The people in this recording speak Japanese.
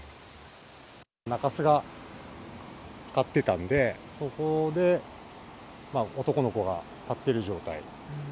中州がつかってたんで、そこで男の子が立ってる状態。